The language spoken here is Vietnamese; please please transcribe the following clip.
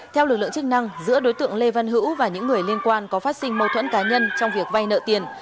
theo lực lượng chức năng giữa đối tượng lê văn hữu và những người liên quan có phát sinh mâu thuẫn cá nhân trong việc vay nợ tiền